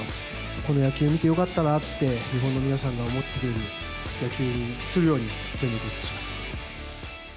この野球見てよかったなって、日本の皆さんが思ってくれる野球にするように全力を尽くします。